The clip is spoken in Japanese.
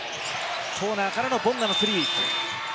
コーナーからのボンガのスリー。